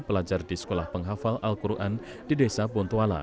pelajar di sekolah penghafal al quran di desa bontuala